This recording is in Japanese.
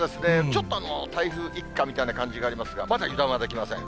ちょっと台風一過みたいな感じがありますが、まだ油断はできません。